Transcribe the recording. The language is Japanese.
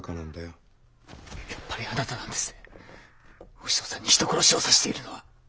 おしのさんに人殺しをさせているのは？